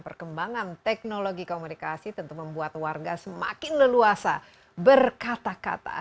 perkembangan teknologi komunikasi tentu membuat warga semakin leluasa berkata kata